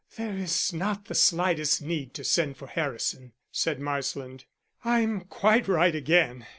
"There is not the slightest need to send for Harrison," said Marsland. "I'm quite right again.